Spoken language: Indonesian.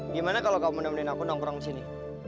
gimana kalau kamu nemenin aku nongkrong di sini